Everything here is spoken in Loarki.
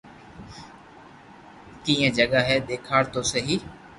ڪئي جگہ ھي ديکاڙ تو سھي